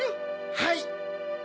はい！